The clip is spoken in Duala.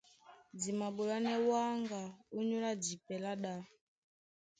Di maɓolánɛ́ wáŋga ónyólá jipɛ lá ɗá.